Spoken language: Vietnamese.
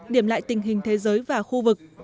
điểm lại tình hình thế giới và khu vực